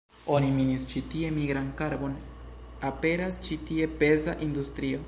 Oni minis ĉi tie nigran karbon, aperas ĉi tie peza industrio.